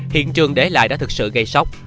hiện trường để lại đã thực sự gây sốc